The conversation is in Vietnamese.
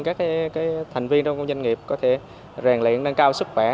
các thành viên trong doanh nghiệp có thể rèn luyện nâng cao sức khỏe